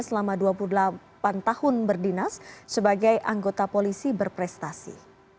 selama dua puluh delapan tahun berdinas sebagai anggota polisi berprestasi